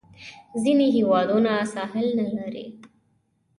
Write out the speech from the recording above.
ځینې هیوادونه ساحل نه لري.